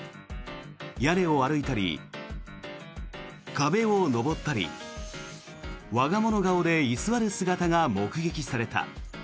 屋根を歩いたり壁を登ったり我が物顔で居座る姿が目撃された。